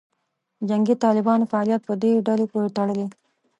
جنګي طالبانو فعالیت په دې ډلې پورې تړلې.